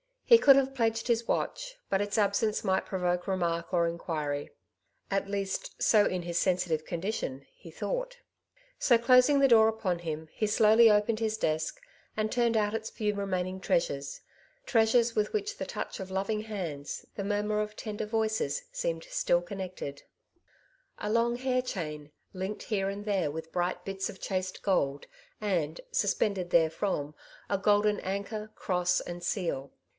He could have pledged his watch, but its absence might provoke remark or inquiry; at least, so in his sensitive condition, he thought. So, closing the door upon him, he slowly opened his desk, and turned out its few remaining treasures — treasures with which the touch of loving hands, the murmur of lender voices, seemed still connected. 1 86 " Two Sides to every Question. A long liair chain, linked here and there with bright bits of chased gold, and, suspended there from, a golden anchor, cross, and seal.